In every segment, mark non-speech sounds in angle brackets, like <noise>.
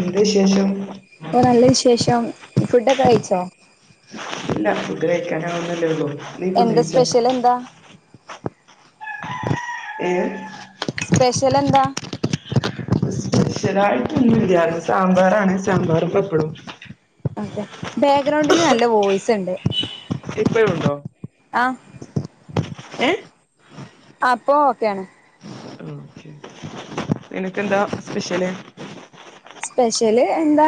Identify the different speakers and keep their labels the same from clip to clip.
Speaker 1: എന്ത്‌ വിശേഷം?
Speaker 2: അപ്പ നല്ല വിശേഷം ഫുഡൊക്കെ കഴിച്ചോ?
Speaker 1: ഇല്ല ഫുഡ്കഴിക്കാനാവുന്നല്ലേള്ളൂ നീ
Speaker 2: എന്താ
Speaker 1: ഫുഡ്കഴിച്ചോ.
Speaker 2: സ്പെഷ്യൽ എന്താ
Speaker 1: ഏഹ്
Speaker 2: സ്പെഷലെന്താ?
Speaker 1: സ്പെഷലായിട്ട്ന്നും ഇല്ല ന്ന് സാമ്പാറാണ് സാമ്പാറും പപ്പടും
Speaker 2: ബെഗ്രൗണ്ടിൽ നല്ല വോയ്സ്ണ്ട്.
Speaker 1: ഇപ്പോഴുണ്ടോ
Speaker 2: ആഹ്
Speaker 1: ഏഹ്.
Speaker 2: ആഹ് പ്പ ഓക്കെണ്.
Speaker 1: നിനക്ക് എന്താ സ്പെഷ്യല്.
Speaker 2: സ്പെഷ്യല് എന്താ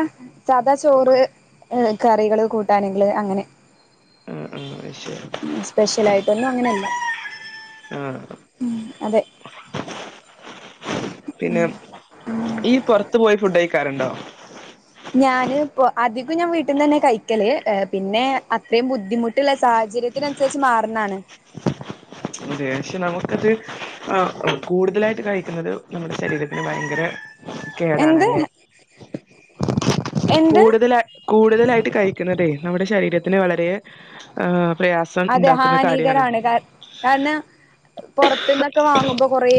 Speaker 2: സാദാ ചോറ്. കറികള് കൂട്ടാന്കള് അങ്ങനെ
Speaker 1: ആ ആ അത് ശരി
Speaker 2: സ്പെഷ്യലാ യിട്ടൊന്നും അങ്ങനെല്ല.
Speaker 1: ആഹ്. പിന്നെ ഇയ്യ് പോർത്ത് പോയി ഫുഡഴിക്കാറുണ്ടോ.
Speaker 2: ഞാന് പോ അധികം ഞാൻ വീട്ടീന്നന്നെ കഴിക്കല് പിന്നെ അത്രയും ബുദ്ധിമുട്ടുള്ള സാഹചര്യത്തി. സാഹചര്യതിനന്സര്ച്ച് മാറുന്നതാണ്.
Speaker 1: അതെ പക്ഷെ നമുക്കത് ആഹ് കൂടുതലായിട്ട് കഴിക്കുന്നത് നമ്മുടെ ശരീരത്തിന് ഭയങ്കര.
Speaker 2: എന്ത്
Speaker 1: കേടാണല്ലേ
Speaker 2: എന്ത്
Speaker 1: കൂടുതലായി കൂടുതലായിട്ട് കഴിക്കുന്നതേ നമ്മുടെ ശരീരത്തിന് വളരെ. ആഹ് പ്രയാസം
Speaker 2: അതെ
Speaker 1: ഉണ്ടാക്കുന്ന കാര്യണ്.
Speaker 2: ഹാനികരാണ് കാ കാരണം പുറത്ത്ന്നൊക്കെ വാങ്ങുമ്പോ കൊറേ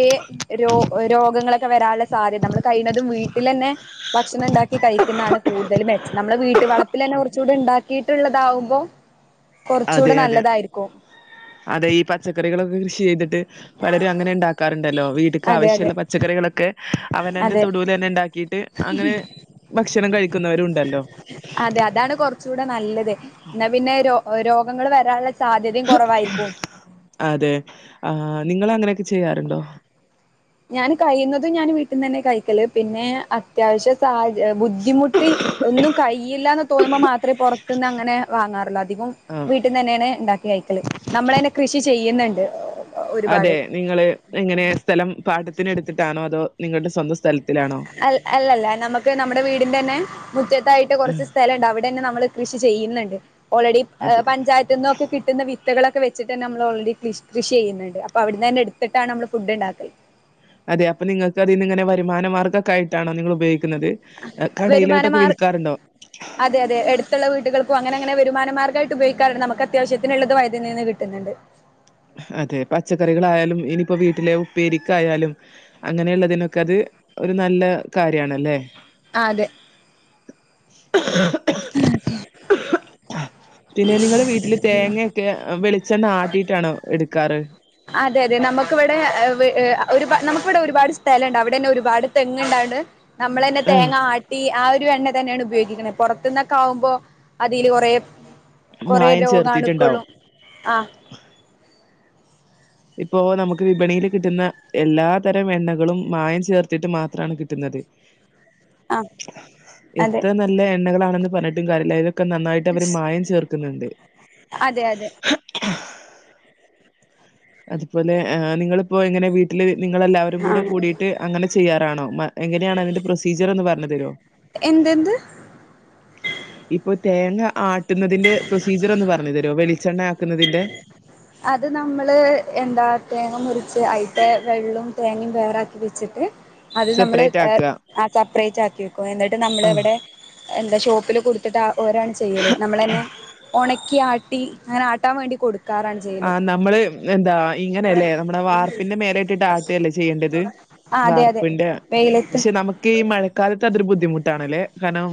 Speaker 2: രോ രോഗങ്ങളൊക്കെ വരാനുള്ള സാധ്യത നമ്മൾ കഴിയുന്നതും വീട്ടിലന്നെ ഭക്ഷണം ണ്ടാക്ക. കഴിക്കുന്നാണ് കൂടുതല് മെച്ചം നമ്മുടെ വീട് വളപ്പിൽ തന്നെ കുറച്ചുകൂടെ ണ്ടാക്കി. ഉണ്ടാക്കിട്ടുള്ളതാവുമ്പോ കൊർച്ച്
Speaker 1: അതെ അതെ അതെ ഈ പച്ചക്കറികളൊക്കെ കൃഷി ച്ചെയ്തിട്ട് പലരും അങ്ങനെ ഇണ്ടാക്ക ഇണ്ടാക്കാറുണ്ടല്ലോ വീട്ട്ക്ക്
Speaker 2: അതെ അതെ
Speaker 1: ആവശ്യള്ള പച്ചക്കറികളൊക്കെ അവനാന്റെ
Speaker 2: അതെ
Speaker 1: തൊടുലെന്നെ ഇണ്ടാക്കിട്ട് അങ്ങനെ. ഭക്ഷണം കഴിക്കുന്നവരുണ്ടല്ലോ.
Speaker 2: അതാ കൊർച്ചൂടെ നല്ലത് എന്നാ പിന്നെ രോ രോഗങ്ങൾ വരാനുള്ള സാധ്യതയും കൊറവായിരിക്കും.
Speaker 1: അതെ ആഹ് നിങ്ങൾ അങ്ങനെയൊക്കെ ചെയ്യാറുണ്ടോ?
Speaker 2: ഞാൻ കഴിയുന്നതും ഞാൻ വീട്ടീന്നന്നെ കയ്ക്കല് പിന്നെ അത്യാവ്ശ്യ സഹചര്യത്തിൽ ഏഹ് ബുദ്ധിമുട്ടി ഒന്നും കഴ്ല്ലാന്ന് തോന്നുമ്പോ മാത്രമേ പുറത്തന്ന് അങ്ങനെ വാങ്ങാറുള്ളു അധികും
Speaker 1: ആഹ്
Speaker 2: വീട്ടിന്നെന്നേണ് ഇണ്ടാക്കി കയ്ക്കല് നമ്മളന്നെ കൃഷി ചെയ്യ്ന്ന്ണ്ട്.
Speaker 1: അതെ നിങ്ങള് എങ്ങനെ സ്ഥലം പാട്ടത്തിനെടുത്തിട്ടാണോ അതോ നിങ്ങളുടെ സ്വന്തം സ്ഥലത്തിലാണോ?
Speaker 2: അൽ അല്ലല്ല നമുക്ക് നമ്മുടെ വീടിന്റെന്നെ മുറ്റത്തായിട്ട്
Speaker 1: ഉം
Speaker 2: കൊറച്ച് സ്ഥലംണ്ട് അവിടെന്നെ നമ്മള്. കൃഷി ചെയ്യുന്നുണ്ട് ഓൾറെഡി ഇഹ്‌
Speaker 1: അതെ
Speaker 2: പഞ്ചായത്ത്. ഇത് ന്നൊക്ക കിട്ടുന്ന വിത്തകളൊക്കെ വെച്ച്ട്ടന്നെ അമ്മൾ ഒൾറെഡി ക്‌ഷി കൃഷി എയ്യുന്നുണ്ട് അപ്പൊ അവിടുന്നന്നെ എട്ത്തിട്ടാണ് നമ്മള് ഫുഡ് ഇണ്ടാക്കൽ.
Speaker 1: അതെ അപ്പൊ നിങ്ങക്ക് അതിന്ന്ങ്ങന വരുമാനമാർഗൊക്ക ആയിട്ടാണോ നിങ്ങൾ ഉപയ്ക്ക് - ഉപയോകിക്കുന്നത്
Speaker 2: വരുമാന
Speaker 1: കടയിലോട്ടൊക്കെ
Speaker 2: മാർ
Speaker 1: വിൽക്കാറുണ്ടോ?
Speaker 2: അതെ അതെ എടുത്തുള്ള വീട്ടുകൾക്കും അങ്ങന അങ്ങനെ വരുമാന മാർഗായിട്ട് ഉപയോഗിക്കാറുണ്ട് നമുക്കത്യാവശ്യത്തിനുള്ളത് വയ്തനെന്ന് കിട്ടും. ഉയോഗിക്കറുണ്ട്മുക്ക്ത്വശ്യനുള്ളത് വൈദ്യനിന്ന് കിട്ടും കിട്ട്ന്ന്ണ്ട്.
Speaker 1: അതെ പച്ചക്കറികളായാലും ഇനിപ്പോ വീട്ടിലെ ഉപ്പേരിക്കായാലും. അങ്ങനെയുള്ളതിനൊക്കെ അത് ഒരു നല്ല കാര്യണല്ലേ?
Speaker 2: ആഹ് അതെ.
Speaker 1: <unintelligible>
Speaker 2: ആതെ
Speaker 1: പിന്നെ നിങ്ങള് വീട്ടില് തേങ്ങൊക്കെ ഹ് വെളിച്ചെണ്ണ ആട്ടീട്ടാണോ എടുക്കാറ്?
Speaker 2: അതെ അതെ നമുക്കിവിടെ ഹ്‌വ് ഏഹ് ഒരുപാ നമുക്കിവിടെ ഒരുപാട് സ്ഥലംണ്ട് അവിടെന്നെ ഒരുപാട് തെങ്ങ് ഉണ്ടായോണ്ട്. നമ്മളെന്നെ
Speaker 1: ആഹ്.
Speaker 2: തേങ്ങ ആട്ടി ആ ഒരു എണ്ണ തന്നെയാണ് ഉപയോഗിക്കുന്നത് പൊർത്ത് നിന്നൊക്കെ ആകുമ്പോ. അതിൽ കൊറെ കൊറെ
Speaker 1: മായം
Speaker 2: രോഗാണുക്കൊളു
Speaker 1: ചേർത്തിട്ടുണ്ടാവും.
Speaker 2: ആഹ്.
Speaker 1: ഇപ്പോൊ നമുക്ക് വിപണിയില് കിട്ടുന്ന എല്ലാ തരം എണ്ണകളും മായം ചേർത്തിട്ട് മാത്രാണ് കിട്ടുന്നത്.
Speaker 2: ആഹ് അതെ
Speaker 1: എത്ര നല്ല എണ്ണകളാണെന്ന് പറഞ്ഞിട്ടും കാര്യല്ല അതില് ക്കെ നന്നായിട്ട് അവര് മായം ചേർക്കുന്നുണ്ട്.
Speaker 2: അതെ അതെ
Speaker 1: അതുപോലെ ഹ് നിങ്ങളിപ്പോ എങ്ങനെ വീട്ടില് നിങ്ങളെല്ലാവരും കൂടെ
Speaker 2: ആഹ്
Speaker 1: കൂടിട്ട്. അങ്ങനെ ചെയ്യാറാണോ മ എങ്ങനെയാണ് അതിന്റെ പ്രൊസീജിയർ ഒന്ന് പറഞ്ഞു തരോ?
Speaker 2: എന്തെന്ത്?
Speaker 1: <inaudible> ഇപ്പൊ തേങ്ങ ആട്ടുന്നതിന്റെ പ്രൊസീജിയർ ഒന്ന് പറഞ്ഞു തരോ വെളിച്ചെണ്ണയാക്കുന്നതിന്റെ?
Speaker 2: അത് നമ്മള് എന്താ തേങ്ങ മുറിച്ച് അയ്ത്തെ വെള്ളും തേങ്ങയും വേറാക്കി വെച്ചിട്ട്. അത് നമ്മള്
Speaker 1: സെപ്പറേറ്റ് ആക്ക.
Speaker 2: ഏഹ് ആ സെപ്പറേറ്റ് ആക്കി വെക്കും എന്നിട്ട് നമ്മൾ
Speaker 1: ആഹ്
Speaker 2: ഇവിടെ എന്താ ഷോപ്പില് കൊടു ത്തിട്ട് ഓരാണ് ചെയ്യല് നമ്മളന്നെ ഒണക്കി ആട്ടി അങ്ങനെ ആട്ടാൻ വേണ്ടി കൊടുക്കാറാണ്. ചെയ്യല്
Speaker 1: ആഹ് നമ്മള് എന്താ ഇങ്ങനെയല്ലേ നമ്മുടെ വാർപ്പിന്റെ മേലേയിട്ടിട്ട് ആട്ടുല്ലേ ചെയ്യേണ്ടത്?
Speaker 2: ആഹ് അതെ അതെ
Speaker 1: വാർപ്പിന്റെ
Speaker 2: വെയിലത്ത്
Speaker 1: പക്ഷെ നമുക്ക് ഈ മഴക്കാലത്ത് അതൊരു ബുദ്ധിമുട്ടാണ്ല്ലേ. കാരണം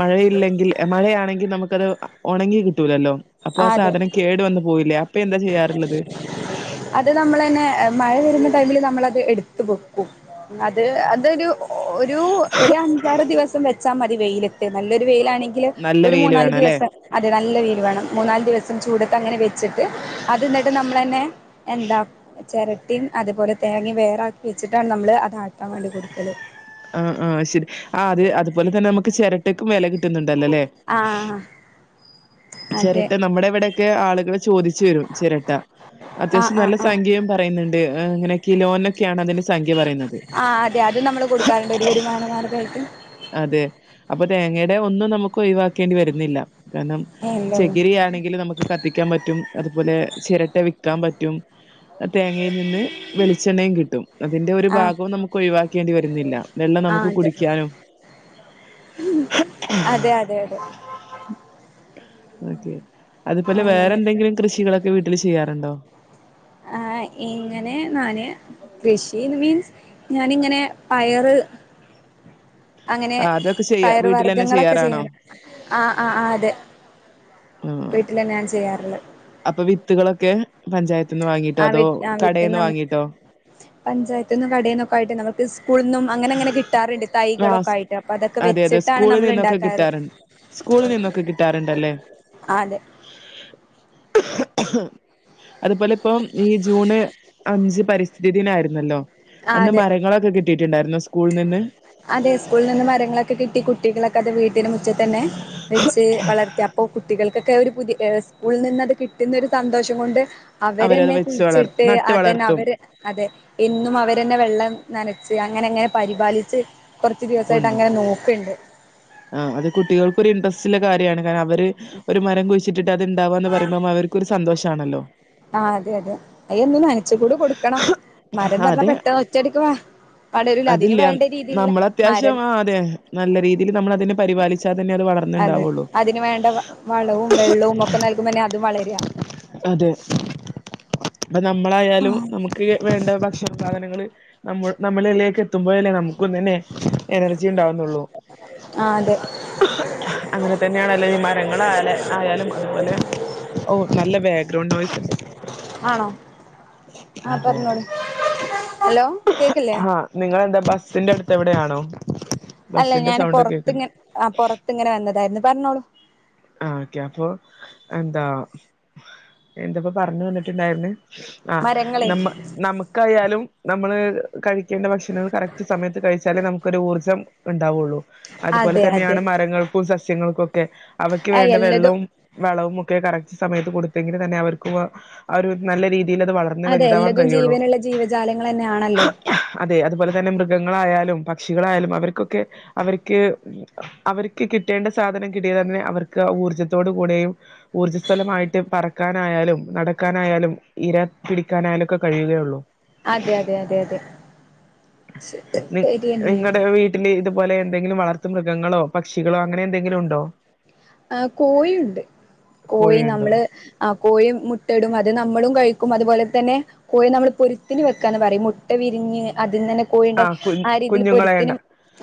Speaker 1: മഴയില്ലെങ്കിൽ എ മഴയാണെങ്കിൽ നമുക്കത് ഒണങ്ങി കിട്ടൂലല്ലോ. അപ്പൊ ആ
Speaker 2: ആഹ് അതെ
Speaker 1: സാധനം കേടു വന്നു പോവില്ലേ അപ്പൊ എന്താ ചെയ്യാറുള്ളത്?
Speaker 2: അത് നമ്മളെന്നെ മഴ വരുന്ന ടൈമിൽ നമ്മളത് എടുത്തു വെ ക്കും അത് അതൊരു ഒരു ഒരു അഞ്ചാറ് ദിവസം വെ ച്ചാ മതി വെയിലത്ത് നല്ലൊരു വെയിലാണെങ്കിൽ
Speaker 1: നല്ല
Speaker 2: ഒരു
Speaker 1: വെയില്
Speaker 2: മൂന്നാല്
Speaker 1: വേണം അല്ലെ?
Speaker 2: ദിവസം. അതെ നല്ല വൈല് വേണം മൂന്നാല് ദിവസം ചൂടത്ത് അങ്ങനെ വെച്ചിട്ട് അത്ന്നിട്ട് നമ്മളെന്നെ. എന്താ. ചെരട്ടും അതുപോലെ തേങ്ങിം വേറാക്കി വെച്ചിട്ടാണ് നമ്മള് അതാട്ടാൻ വേണ്ടി കൊട്ക്കൽ.
Speaker 1: ആഹ് ആഹ് ശെരി ആ അത് അതുപോലെ തന്നെ നമുക്ക് ചെരട്ടക്കും വെല കിട്ടുന്നുണ്ടല്ലോ ലേ.
Speaker 2: ആഹ്.
Speaker 1: ചെരട്ട നമ്മുടെ ഇവ്ടൊക്കെ ആളുകള് ചോദിച്ചു വരും ചിരട്ട.
Speaker 2: ആ
Speaker 1: അത്യാവശ്യം
Speaker 2: ആ
Speaker 1: നല്ല
Speaker 2: ആ
Speaker 1: സംഖ്യയും പറയുന്നുണ്ട് അങ്ങനെയൊക്കെ ഈ കിലോനൊക്കെയാണ് അതിന്റെ സംഖ്യ പറയുന്നത്.
Speaker 2: ആ അതെ അത് നമ്മൾ കൊടുക്കറുണ്ട് ഒരു വരുമാനമാർഗയിട്ട്
Speaker 1: അതെ അപ്പൊ തേങ്ങടെ ഒന്നും നമുക്ക് ഒഴിവാക്കേണ്ടി വരുന്നില്ല കാരണം
Speaker 2: ഉണ്ടല്ലോ
Speaker 1: ചെകിരിയാണെങ്കിൽ നമുക്ക് കത്തിക്കാൻ പറ്റും അതുപോലെ ചിരട്ട വിക്കാൻ പറ്റും. തേങ്ങയിൽ നിന്ന് വെളിച്ചെണ്ണയും കിട്ടും അതിന്റെ ഒരു
Speaker 2: ആ
Speaker 1: ഭാഗവും നമുക്ക് ഒഴിവാക്കേണ്ടി വരുന്നില്ല. വെള്ള
Speaker 2: ആ
Speaker 1: നമുക്ക്
Speaker 2: അതെ
Speaker 1: കുടിക്കാനും.
Speaker 2: അതെ അതെ അതെ
Speaker 1: ഓക്കെ അതുപോലെ വേറെ
Speaker 2: അങ്ങനൊക്കെ
Speaker 1: എന്തെങ്കിലും കൃഷികളൊക്കെ വീട്ടിൽ ചെയ്യാറുണ്ടോ?
Speaker 2: ആഹ് എങ്ങനെ നാന്. കൃഷി മീൻസ് ഞാനിങ്ങനെ പയറ് അങ്ങനെ
Speaker 1: ആഹ് അതൊക്കെ ചെയ്യാ
Speaker 2: ഫയർ
Speaker 1: വീട്ടിലെന്നെ
Speaker 2: വർഗങ്ങളൊക്കെ
Speaker 1: ചെയ്യാറാണോ?
Speaker 2: ചെയ്യാണ് ആ ആ ആ അതെ.
Speaker 1: ആഹ
Speaker 2: വീട്ടിൽന്ന ഞാൻ ചെയ്യാറുള്ളത്.
Speaker 1: അപ്പൊ വിത്തുകളൊക്കെ പഞ്ചായത്ത നിന്ന് വാങ്ങിട്ടോ
Speaker 2: ആ വി
Speaker 1: അതോ കടൽന്ന് വാങ്ങിട്ടോ?
Speaker 2: പഞ്ചത്തുന്നും കടയിന്നൊക്കെയിട്ട് നക്ക് സ്കൂളിൽന്നും അങ്ങനെ അങ്ങനെ കിട്ടാറുണ്ട്
Speaker 1: ആഹ്
Speaker 2: തൈകളൊക്കെ
Speaker 1: സ്
Speaker 2: ആയിട്ട് അപ്പൊ അതൊക്കെ
Speaker 1: അതെ അതെ
Speaker 2: വെച്ചിട്ടാണ്
Speaker 1: സ്കൂളിൽ
Speaker 2: നമ്മൾ
Speaker 1: നിന്നൊക്കെ
Speaker 2: ഉണ്ടാക്കാറ്.
Speaker 1: കിട്ടാറുണ്ട്. സ്കൂളിൽ നിന്നൊക്കെ കിട്ടാറുണ്ടല്ലേ,.
Speaker 2: അതെ
Speaker 1: അതുപോലെ ഇപ്പം ഈ ജൂണ് അഞ്ച് പരിസ്ഥിതി ദിന ആരുന്നല്ലോ?
Speaker 2: ആഹ്
Speaker 1: അന്ന്
Speaker 2: അതെ
Speaker 1: മരങ്ങളൊക്കെ കിട്ടിയിട്ടുണ്ടായിരുന്നോ സ്കൂളിനിന്ന്.
Speaker 2: അതേ സ്കൂളിൽ നിന്ന് മരങ്ങളൊക്കെ കിട്ടി കുട്ടികളൊക്കെ, ത് വീട്ടന് മുച്ചത്തന്നെ വെച്ച് വളർത്തി അപ്പോൊ കുട്ടികൾക്കൊക്കെ ഒരു പുതിയ സ്കൂളിൽ നിന്നത് കിട്ടുന്ന ഒരു സന്തോഷം കൊണ്ട്.
Speaker 1: അവരത്
Speaker 2: അവരെന്നെ
Speaker 1: വെച്ച് വളർ
Speaker 2: കുഴിച്ചിട്ട്
Speaker 1: നട്ട്
Speaker 2: അതെന്നാ
Speaker 1: വളർത്തും
Speaker 2: അവര് അതെ എന്നും അവരെന്നെ വെള്ളം നനച്ച് അങ്ങനെ അങ്ങനെ പരിപാലിച്ച് കുറച്ച് ദിവസമായിട്ട്
Speaker 1: കൊണ്ടു
Speaker 2: അങ്ങനെ നോക്കണ്ട്.
Speaker 1: ആഹ് അത് കുട്ടികൾക്കൊ ഒരു ഇൻടറസ്റ്റ്ള്ള കാര്യമാണ് കാരണം അവര് ഒരു മരം കുഴിച്ചിട്ടിട്ട് അത്ണ്ടാവാന്ന് പറയുമ്പം അവർക്കൊരു സന്തോഷമാണല്ലോ.
Speaker 2: ആ അതെ അതെ അയൊന്നും നനച്ച് കൂടി കൊടുക്കണം മരംന്ന് പറഞ്ഞാ
Speaker 1: അത്
Speaker 2: പെട്ടെന്ന് ഒറ്റയടിക്ക് വാ വളരൂല അതിന്
Speaker 1: അതില്ല
Speaker 2: വേണ്ട രീതിയിലുള്ള
Speaker 1: നമ്മൾ അത്യാവശ്യം
Speaker 2: മരം
Speaker 1: ആ അതെ നല്ല രീതിയിൽ നമ്മൾ അതിനെ പരിപാലിച്ചാൽ തന്നെ അത് വളർ
Speaker 2: അതെ അതിന് വേണ്ട വ വളവും വെള്ളവും ഒക്കെ നൽകുമ്പോ തന്നെ അതും വളര
Speaker 1: അതെ ഇപ്പൊ നമ്മളായാലും നമുക്ക് വേണ്ട ഭക്ഷണം സാധനങ്ങള് നമ്മ നമ്മളിലേക്ക് എത്തുമ്പോഴല്ലേ നമുക്കും തന്നെ എനർജി ഉണ്ടാവുന്നുള്ളൂ.
Speaker 2: ആഹ് അതെ
Speaker 1: അങ്ങനെ തന്നെയണല്ലോ ഈ മരങ്ങളായാല ആയാലും അതുപോലെ. ഓ നല്ല ബാക്ക്ഗ്രൗണ്ട് വോയിസ്‌.
Speaker 2: ആണോ ആ
Speaker 1: അതെ
Speaker 2: പറഞ്ഞോളി ഹലോ കേക്കല്ലേ
Speaker 1: ആഹ് നിങ്ങളെന്താ ബസ്സിന്റെ അടുത്ത് എവിടെയാണോ?
Speaker 2: അല്ല
Speaker 1: ബസ്സിന്റെ
Speaker 2: ഞാൻ
Speaker 1: സൗണ്ടൊക്കെ കേൾക്കുന്നെ
Speaker 2: പൊറത്ത്ങ്ങെ ആ പുറത്ത് ഇങ്ങനെ വന്നതായിരുന്നു പറഞ്ഞോളൂ.
Speaker 1: ആ ഓക്കെ അപ്പൊ എന്താ എന്തപ്പൊ പറഞ്ഞു വന്നിട്ടുണ്ടായിന്നേ ആ
Speaker 2: മരങ്ങളെ
Speaker 1: നമ്മ നമുക്കായാലും നമ്മള് കഴിക്കേണ്ട ഭക്ഷണങ്ങള് കറക്റ്റ് സമയത്ത് കഴിച്ചാലേ നമുക്ക് ഒരു ഊർജ്ജം ണ്ടാവുള്ളൂ. അതുപോലെ
Speaker 2: അതെ അതെ
Speaker 1: തന്നെയാണ് മരങ്ങൾക്കും സസ്യങ്ങൾക്കും ഒക്കെ അവയ്ക്ക്
Speaker 2: ആ
Speaker 1: വേണ്ട
Speaker 2: എല്ലതും
Speaker 1: വെള്ളവും വളവും ഒക്കെ കറക്റ്റ് സമയത്ത് കൊടുത്തങ്കിൽ തന്നെ അവർക്ക് വാ അവ ഒരു നല്ല രീതിയിൽ അത് വളർ
Speaker 2: അതെ എല്ലതും ജീവനുള്ള ജീവജാലങ്ങൾ തന്നെയാണല്ലോ.
Speaker 1: അതെ അതുപോലെ തന്നെ മൃഗങ്ങളായാലും പക്ഷികളായാലും അവർക്കൊക്കെ അവർക്ക് അവർക്ക് കിട്ടേണ്ട സാധനം കിട്ടിയാ തന്നെ അവർക്ക് ആ ഊർജ്ജത്തോടു കൂടെയും ഊർജ്ജ സലമായിട്ട് പറക്കാനായാലും നടക്കാനായാലും ഇര പിടിക്കാനായാലും ഒക്കെ കഴിയുകയുള്ളൂ.
Speaker 2: അതെ അതെ അതെ അതെ സെറ്റ് ശരിയന്നെ.
Speaker 1: പിന്നെ ഇതുപോലെ എന്തെങ്കിലും വളർത്തുമൃഗങ്ങളോ പക്ഷികളോ അങ്ങനെ എന്തെങ്കിലും ഉണ്ടോ?
Speaker 2: ആഹ്, കോയിയുണ്ട് കോയി
Speaker 1: കോഴിയുണ്ടോ
Speaker 2: നമ്മള്. ആ കോയി മുട്ടടും അത് നമ്മളും കഴിക്കും അതുപോലെ തന്നെ കോയി നമ്മള് പൊരുത്തിന് വെക്കാന്ന് പറയും. മുട്ട വിരിഞ്ഞ് അതിന്നന്നെ കോഴിൻ്റെ
Speaker 1: കു
Speaker 2: ആ രീതിയിൽ പൊരുത്തിന്
Speaker 1: കുഞ്ഞുങ്ങളെണ്ട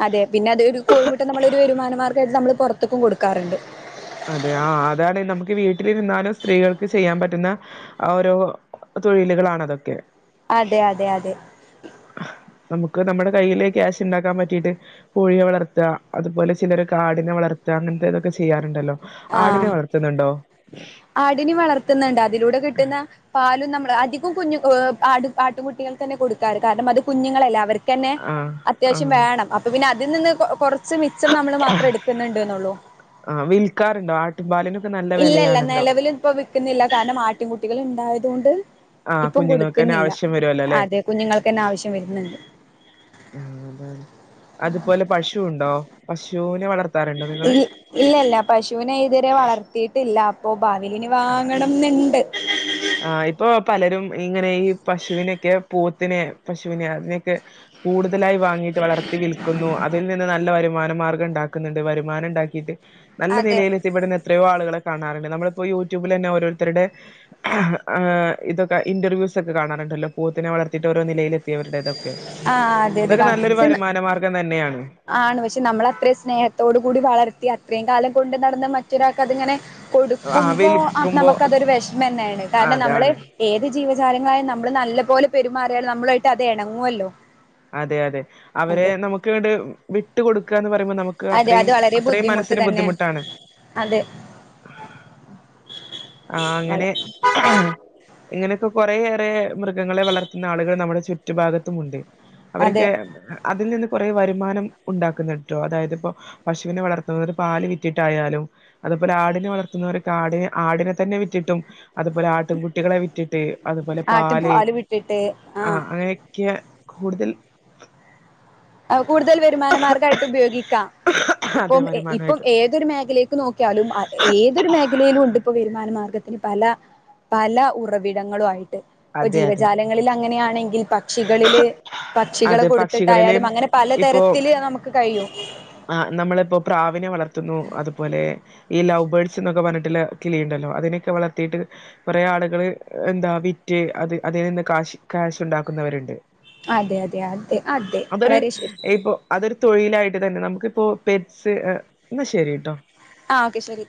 Speaker 2: അതെ പിന്നെ അതൊരു കോഴിമുട്ട നമ്മളോരു വരുമാനമാർഗായിട്ട് നമ്മൾ പുറത്തേക്കും കൊടുക്കാറുണ്ട്.
Speaker 1: അതെ ആ അതാണ് നമുക്ക് വീട്ടിലിരുന്നാലും സ്ത്രീകൾക്ക് ചെയ്യാൻ പറ്റുന്ന ആ ഓരോ. തൊഴിലുകളാണതൊക്കെ.
Speaker 2: അതെ അതെ അതെ
Speaker 1: നമുക്ക് നമ്മടെ കയ്യില് ക്യാഷ് ണ്ടാക്കാൻ പറ്റീട്ട്. കോഴിയെ വളർത്ത, അതുപോലെ ചിലരൊക്കെ ആടിനെ വളർത്ത അങ്ങനത്തെ ഇതൊക്കെ ചെയ്യ ണ്ടല്ലോ ആടിനെ
Speaker 2: ആഹ്
Speaker 1: വളർത്തുണുണ്ടോ?
Speaker 2: ആടിനെ വളർത്തുന്നുണ്ട്. അതിലൂടെ കിട്ടുന്ന പാലും നമ്മള് അധികം കുഞ്ഞും ആ ആട്ടിൻകുട്ടികൾക്ക് തന്നെ കൊടുക്കാറ് കാരണം അത് കുഞ്ഞുങ്ങളല്ല അവർക് ക്കന്നെ
Speaker 1: ആഹ്
Speaker 2: അത്യാവശ്യം
Speaker 1: ആഹ്
Speaker 2: വേണം. അപ് അപ്പ പിന്നെ അതിൽ നിന്ന് കുറച്ച് മിച്ചം നമ്മൾ മാത്രം എടുക്കുന്നുണ്ട്ന്നുള്ളൂ.
Speaker 1: ആ വിൽക്കാറുണ്ടോ? ആട്ടും പാലിനൊക്കെ നല്ല വെലയാണല്ലോ
Speaker 2: പ്പൊ വിൽക്കുന്നില്ല കാരണം ആട്ടിൻകുട്ടികൾ ണ്ടായതോണ്ട്.
Speaker 1: ആ
Speaker 2: ഇപ്പം
Speaker 1: കുഞ്ഞുങ്ങൾക്കന്നെ
Speaker 2: കൊടുക്കുന്നില്ല.
Speaker 1: ആവശ്യം വരുവല്ലോ അല്ലെ
Speaker 2: അതെ, കുഞ്ഞുങ്ങൾക്കന്നെ ആവശ്യം വരുന്നുണ്ട്.
Speaker 1: ആ അതാണ്. അതുപോലെ പശുണ്ടോ പശുനെ വളർ
Speaker 2: ഇല്ലി ഇല്ല ഇല്ല പശുവിനെ ഇതുവരെ വളർത്തിയിട്ടില്ല. ഓ, ഭാവിൽ ഇനി വാങ്ങണം ന്നുണ്ട്.
Speaker 1: ആഹ്, ഇപ്പൊ പലരും ഇങ്ങനെ ഈ പശുവിനൊക്കെ പോത്തിനെ. പശുവിനെ അതിനെയൊക്കെ കൂടുതലായി വാങ്ങിയിട്ട് വളർത്തി വിൽ ക്കുന്നു. അതിൽ നിന്ന് നല്ല വരുമാന മാർഗ്ഗം ഉണ്ടാക്കുന്നുണ്ട്. വരുമാനം ഉണ്ടാക്കിയിട്ട് നല്ല
Speaker 2: അതെ
Speaker 1: നിലയിൽ എത്തിപ്പെട് എത്രയോ ആളുകളെ കാണാറുണ്ട്. നമ്മളിപ്പോ യൂട്യൂബിലെന്നെ ഓരോരുത്തരുടെ ആ ഹ് ആ ഇതൊക്കെ ഇൻ്റർവ്യൂസൊക്കെ കാണാറുണ്ടല്ലോ പോത്തിനെ വളർത്തിയിട്ട് ഓരോ ത്തിയവരുടേതൊക്കെ
Speaker 2: ആഹ് അതെ അതെ
Speaker 1: അതൊക്കെ നല്ലൊരു
Speaker 2: കാണ
Speaker 1: വരുമാന മാർഗം തന്നെയാണ്.
Speaker 2: ആണ് പക്ഷെ നമ്മൾ അത്രയും സ്നേഹത്തോടു കൂടി വളർത്തി അത്രയും കാലം കൊണ്ട് നടന്ന് മറ്റൊരാൾക്ക് അതിങ്ങനെ
Speaker 1: ആ
Speaker 2: കൊടുക്കുമ്പോ അ
Speaker 1: വിൽക്കുമ്പോ
Speaker 2: നമ്മക്കതൊരു വെഷമന്നെയാണ്. കാരണം നമ്മള്
Speaker 1: അതാണ്
Speaker 2: ഏത് ജീവചാലങ്ങളായും നമ്മള് നല്ലപോലെ പെരുമാറിയാല് നമ്മളു വായിട്ട് അത് ഇണങ്ങുവല്ലോ.
Speaker 1: അതെ അതെ, അവരെ
Speaker 2: അതെ
Speaker 1: നമുക്ക് ഇങ്ങട് വിട്ട് കൊടുക്കാന്നു പറയുമ്പോ ക്ക്
Speaker 2: അതെ
Speaker 1: അത്രയും
Speaker 2: അത് വളരെ
Speaker 1: അത്രയും
Speaker 2: ബുദ്ധിമുട്ട്
Speaker 1: മനസ്സിന്
Speaker 2: തന്നെയാണ്
Speaker 1: ബുദ്ധിമുട്ടാണ്.
Speaker 2: അതെ
Speaker 1: ആഹ്
Speaker 2: വള
Speaker 1: അങ്ങനെ. ഇങ്ങനെഒക്കെ കൊറെയേറെ മൃഗങ്ങളെ വളർത്തുന്ന ആളുകൾ നമ്മുടെ ചുറ്റു ഭാഗത്തുമുണ്ട്.
Speaker 2: അതെ
Speaker 1: അവരൊക്കെ അതിൽ നിന്ന് കുറെ വരുമാനം ഉണ്ടാക്കുന്നുണ്ട്ട്ടോ അതായത് പ്പോ. പശുവിനെ വളർത്തുന് വര് പാല് വിറ്റിട്ടായാലും. അതുപോആടിനെ വളർത്തുന്നവരൊക്കെ ആടി ആടിനെ തന്നെ വിറ്റിട്ടും. അതുപോലെ ആട്ടൻകുട്ടികളെ വിറ്റിട്ട്, അതുപോലെ
Speaker 2: ആട്ടും
Speaker 1: പാല്
Speaker 2: വിട്ടിട്ട്
Speaker 1: ആ
Speaker 2: ആഹ്
Speaker 1: അങ്ങനെക്കെ കൊട്
Speaker 2: കൂടുതൽ വരുമാനമാർഗ്ഗായിട്ട് ഉപയോഗിക്കാം.
Speaker 1: അതെ
Speaker 2: ഇപ്പം ഇപ്പം
Speaker 1: വരുമാനമായിട്ട്
Speaker 2: ഏ തൊരു മേഖലീക്ക് നോക്കിയാലും ഏതൊരു മേഖലയിലും ഉണ്ട് ഇപ്പോ വരുമാനമാർഗത്തിന് പല പല ഉറവിടങ്ങളും ആയി ട്ട് ഇപ്പൊ
Speaker 1: അതെ അതെ
Speaker 2: ജീവജാലങ്ങളിൽ അങ്ങനെയാണെങ്കിൽ പക്ഷികളില് പക്ഷികളെ
Speaker 1: അതെ
Speaker 2: കൊടുത്തിട്ടായാ
Speaker 1: പക്ഷികളില്
Speaker 2: അങ്ങനെ പലതരത്തില് നമുക്ക് കയിയും.
Speaker 1: ആഹ്, നമ്മളിപ്പോ പ്രാവിനെ വളർത്തുന്നു അതുപോലെ. ഈ ലവ് ബേർഡ്സ് ന്നൊക്കെ പറഞ്ഞിട്ടുള്ള കിളിയുണ്ടല്ലോ അതിനൊക്കെ വളർത്തിയിട്ട്. കുറെേ ആളുകള് എന്താ വിറ്റ് അത് അതിൽ നിന്ന് കാശി കാശുണ്ടാക്കുന്നവരുണ്ട്.
Speaker 2: അതെ അതെ. അതെ അതെ വളരെ ശെ
Speaker 1: ഇപ്പൊ അതൊരു തൊഴിലായിട്ട് തന്നെ നമുക്കിപ്പോ പെറ്റ്സ് ന്നാ ശരിട്ടോ.
Speaker 2: ആ ഓക്കെ ശരി.